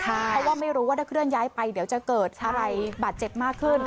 เพราะว่าไม่รู้ว่าถ้าเคลื่อนย้ายไปเดี๋ยวจะเกิดอะไรบาดเจ็บมากขึ้น